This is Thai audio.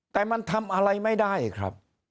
แต่มันทำอะไรไม่ได้ครับ